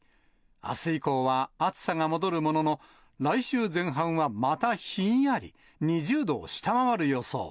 あす以降は暑さが戻るものの、来週前半はまたひんやり、２０度を下回る予想。